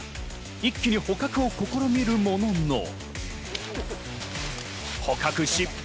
一気に捕獲を試みるものの、捕獲失敗。